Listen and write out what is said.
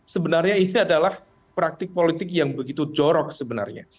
sebenarnya ini adalah praktik politik yang begitu jorok sebenarnya